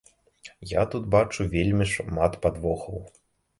Я тут бачу вельмі шмат падвохаў.